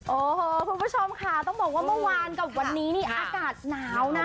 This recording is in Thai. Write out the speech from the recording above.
โอ้โหคุณผู้ชมค่ะต้องบอกว่าเมื่อวานกับวันนี้นี่อากาศหนาวนะ